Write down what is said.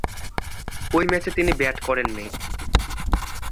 ঐ ম্যাচে তিনি ব্যাট করেননি।